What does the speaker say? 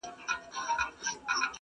ورته جوړ به د قامونو انجمن سي،